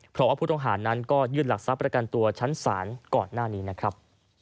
เพราะว่าผู้ต้องหานั้นก็ยื่นหลักทรัพย์ประกันตัวชั้นศาลก่อนหน้านี้นะครับ